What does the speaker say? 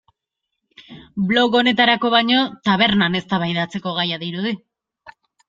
Blog honetarako baino tabernan eztabaidatzeko gaia dirudi.